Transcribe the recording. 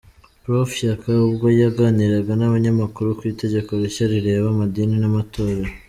Prof Shyaka ubwo yaganiraga n'abanyamakuru ku itegeko rishya rireba amadini n'amatorero.